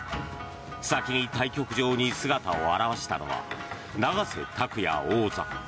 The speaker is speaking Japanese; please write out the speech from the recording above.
先に対局場に姿を現したのは永瀬拓矢王座。